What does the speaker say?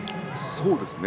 そうですね。